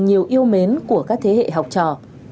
nhiều yêu mến của các thế hệ học trò